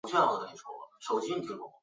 孰大孰小其实是个开放问题。